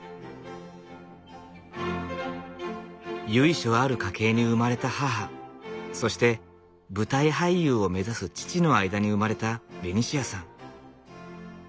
由緒ある家系に生まれた母そして舞台俳優を目指す父の間に生まれたベニシアさん。